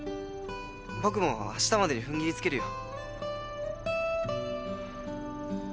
僕もあしたまでにふんぎりつけるよ。